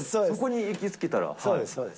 そこに行き着けたら。